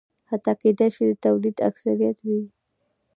حتی کېدای شي د ټولنې اکثریت وي.